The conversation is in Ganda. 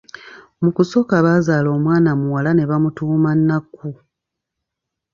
Mu kusooka bazaala omwana muwala ne bamutuuma Nakku.